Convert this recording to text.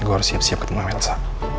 gue harus siap siap ketemu elsa